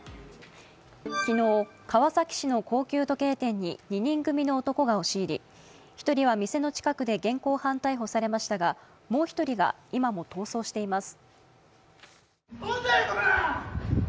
昨日、川崎市の高級時計店に２人組の男が押し入り、１人は店の近くで現行犯逮捕されましたがもう１人が今も逃走しています。